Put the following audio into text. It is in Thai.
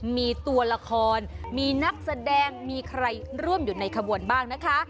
มีตัวละครมีนักแสดงมีใครร่วมอยู่ในขบวนบ้างนะคะ